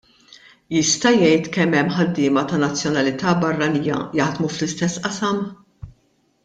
Jista' jgħid kemm hemm ħaddiema ta' nazzjonalità barranija jaħdmu fl-istess qasam?